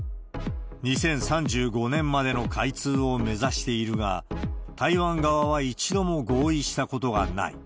２０３５年までの開通を目指しているが、台湾側は一度も合意したことがない。